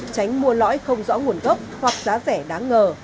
tránh mua lõi không rõ nguồn gốc hoặc giá rẻ đáng ngờ